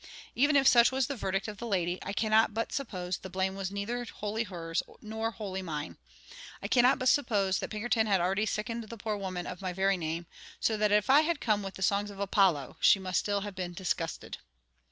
Even if such was the verdict of the lady, I cannot but suppose the blame was neither wholly hers nor wholly mine; I cannot but suppose that Pinkerton had already sickened the poor woman of my very name; so that if I had come with the songs of Apollo, she must still have been disgusted.